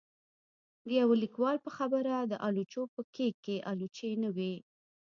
د يو ليکوال په خبره د آلوچو په کېک کې آلوچې نه وې